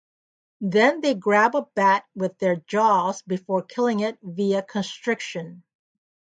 Then they grab a bat with their jaws before killing it via constriction.